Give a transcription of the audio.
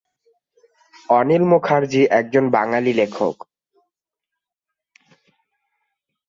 অনিল মুখার্জি একজন বাঙালি লেখক।